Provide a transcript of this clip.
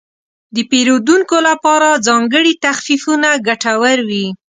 د پیرودونکو لپاره ځانګړي تخفیفونه ګټور وي.